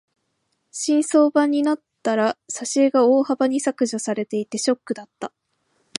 新装版になったら挿絵が大幅に削除されていてショックだった。